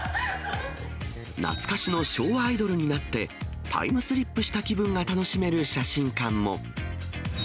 懐かしの昭和アイドルになって、タイムスリップした気分が楽しめる写真館も。